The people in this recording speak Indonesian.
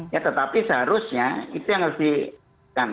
ya tetapi seharusnya itu yang harus dilakukan